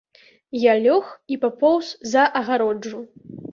Я лёг і папоўз за агароджу.